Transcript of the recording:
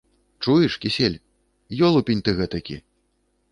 Чуеш, Кісель? Ёлупень ты гэтакі…